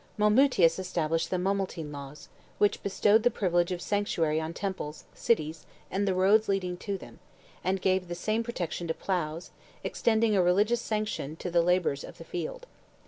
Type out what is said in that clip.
Molmutius established the Molmutine laws, which bestowed the privilege of sanctuary on temples, cities, and the roads leading to them, and gave the same protection to ploughs, extending a religious sanction to the labors of the field.